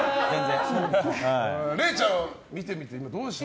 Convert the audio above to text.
れいちゃんは見てみてどうでした？